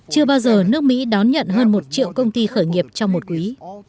chưa bao giờ nước mỹ đón nhận hơn một triệu công ty khởi nghiệp trong một quý